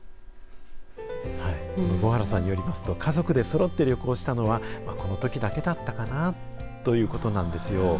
合原さんによりますと、家族でそろって旅行したのは、このときだけだったかなということなんですよ。